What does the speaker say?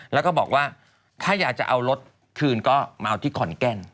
แล้วก็บอกว่าถ้าอยากจะเอารถคืนก็มาเอาที่ขอนแกน